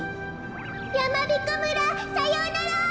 やまびこ村さようなら！